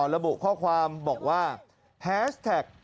ระบุข้อความบอกว่าแฮชแท็ก